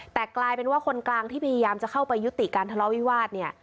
แต่กลายเป็นว่าคนกลางที่พยายามจะเข้าไปยุติการทะเลาวิวาสเนี่ย